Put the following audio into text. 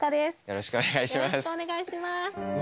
よろしくお願いします。